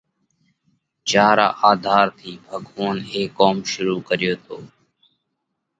جيا را آڌار ٿِي ڀڳوونَ اي ڪوم شرُوع ڪريو تو۔